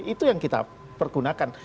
itu yang kita pergunakan